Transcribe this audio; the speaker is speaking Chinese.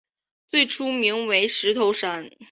最初名为石头山。